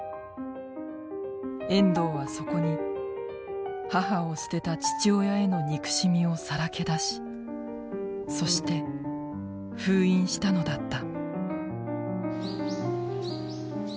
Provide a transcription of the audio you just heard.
遠藤はそこに母を捨てた父親への憎しみをさらけ出しそして封印したのだった。